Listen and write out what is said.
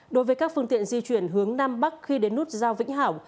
đối với các phương tiện di chuyển hướng nam bắc khi đến nút giao vĩnh hảo